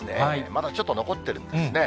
まだちょっと残ってるんですね。